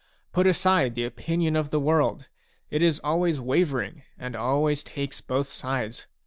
Put aside the opinion of the world; it is always wavering and always takes both sides.